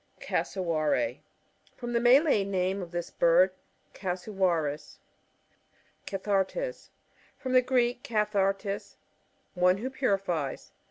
Cassowary. — From the Malay name of this bird, Casuwaris. Cathartes. — From the Gieek, kaih.^ artea^ one who purifies.